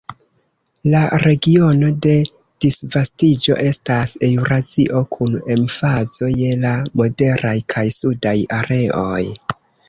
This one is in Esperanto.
La regiono de disvastiĝo estas Eŭrazio, kun emfazo je la moderaj kaj sudaj areoj.